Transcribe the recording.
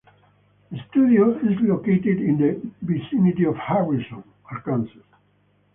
The studio is located in the vicinity of Harrison, Arkansas.